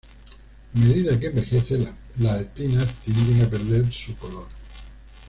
A medida que envejece, las espinas tienden a perder su color.